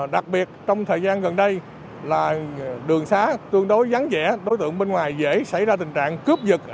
đặc biệt trong thời gian gần đây đường xá tương đối vắng vẻ đối tượng bên ngoài dễ xảy ra tình trạng cướp dịch